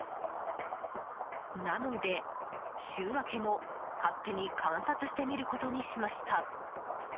なので、週明けも勝手に観察してみることにしました。